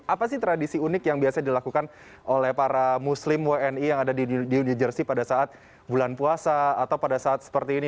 apa sih tradisi unik yang biasa dilakukan oleh para muslim wni yang ada di new jersey pada saat bulan puasa atau pada saat seperti ini